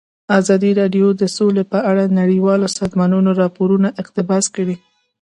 ازادي راډیو د سوله په اړه د نړیوالو سازمانونو راپورونه اقتباس کړي.